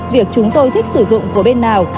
việc chúng tôi thích sử dụng của bên nào